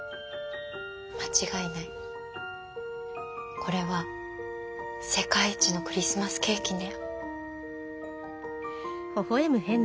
これは世界一のクリスマスケーキね。